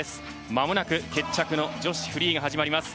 まもなく決着の女子フリーが始まります。